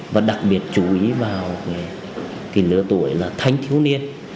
và đặc biệt chú ý vào lứa tuổi là thanh thiếu niên